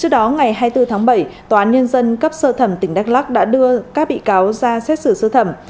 trước đó ngày hai mươi bốn tháng bảy tòa án nhân dân cấp sơ thẩm tỉnh đắk lắc đã đưa các bị cáo ra xét xử sơ thẩm